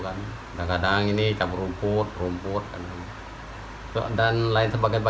kadang kadang ini campur rumput rumput dan lain sebagainya